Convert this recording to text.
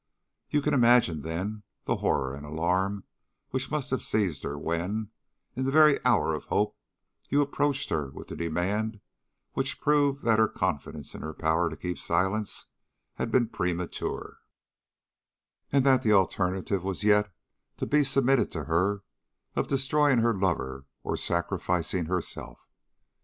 You can imagine, then, the horror and alarm which must have seized her when, in the very hour of hope, you approached her with the demand which proved that her confidence in her power to keep silence had been premature, and that the alternative was yet to be submitted to her of destroying her lover or sacrificing herself.